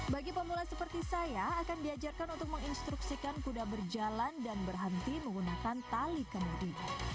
bagi pemula seperti saya akan diajarkan untuk menginstruksikan kuda berjalan dan berhenti menggunakan tali kemudi